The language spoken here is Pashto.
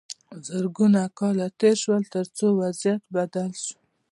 زرګونه کاله تیر شول تر څو وضعیت بدل شو.